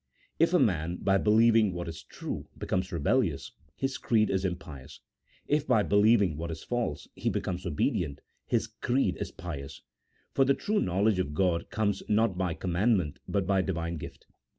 If a man, by believing what is true, becomes rebellions, his creed is impious ; if by be lieving what is false he becomes obedient, his creed is pious ; for the true knowledge of God comes not by com mandment, but by Divine gift.